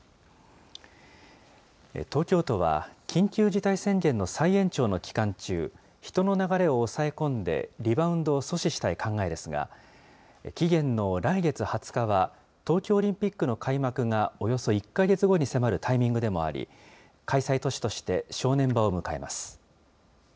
東京都は、緊急事態宣言の再延長の期間中、人の流れを抑え込んで、リバウンドを阻止したい考えですが、期限の来月２０日は、東京オリンピックの開幕がおよそ１か月後に迫るタイミングでもあり、開催都市として、正念場を迎えます。